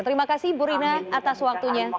terima kasih bu rina atas waktunya